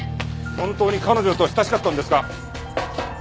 本当に彼女と親しかったんですか？